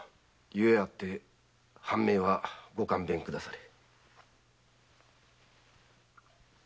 ゆえあって藩名はご勘弁くだされい。